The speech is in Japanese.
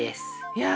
いや。